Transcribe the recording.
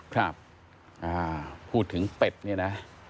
พูดถึงเป็ดนี่นะ